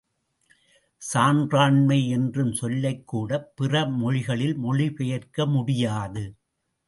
சான்றாண்மை என்ற சொல்லைக்கூடப் பிற மொழிகளில் மொழிபெயர்க்க முடியாது.